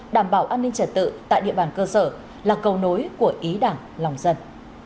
đảm bảo an ninh trật tự tại địa bàn cơ sở là cầu nối của ý đảng lòng dân